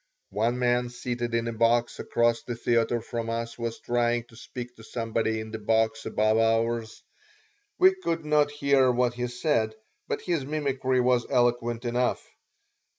One man, seated in a box across the theater from us, was trying to speak to somebody in the box above ours. We could not hear what he said, but his mimicry was eloquent enough.